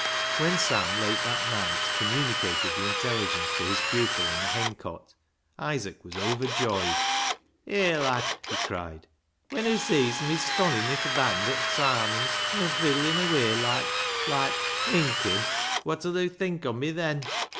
When Sam late that night communicated the intelligence to his pupil in the hencote, Isaac was overjoyed. "Hay, lad," he cried, "when hoo sees me stonnin' i' th' band at th' Sarmons, an' fiddlin' away loike — loike — winkin' — wot'll hoo think on n\Q then